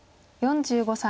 ４５歳。